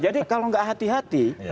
jadi kalau nggak hati hati